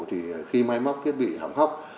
thì khi máy móc thiết bị hỏng hóc